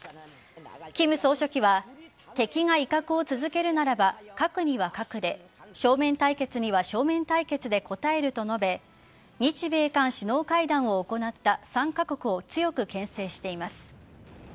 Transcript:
金総書記は敵が威嚇を続けるならば核には核で正面対決には正面対決で応えると述べ日米韓首脳会談を行った３カ国を強くけん制しています。